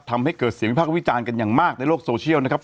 ทำให้เกิดเสียงวิพากษ์วิจารณ์กันอย่างมากในโลกโซเชียลนะครับ